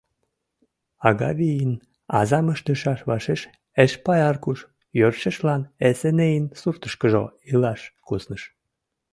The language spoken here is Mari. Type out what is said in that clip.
Агавийын азам ыштышаш вашеш Эшпай Аркуш йӧршешлан Эсенейын суртышкыжо илаш кусныш.